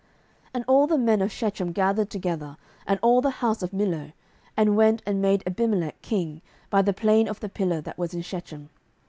07:009:006 And all the men of Shechem gathered together, and all the house of Millo, and went, and made Abimelech king, by the plain of the pillar that was in Shechem.